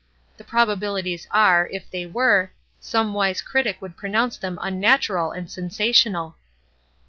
The probabilities are, if they were, some wise critic would pronounce them unnatural and sensational.